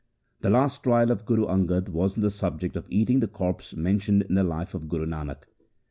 The last trial of Guru Angad was on the subject of eating the corpse mentioned in the Life of Guru Nanak.